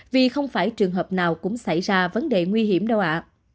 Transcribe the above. vì không phải trường hợp nào cũng xảy ra vấn đề nguy hiểm đâu ạ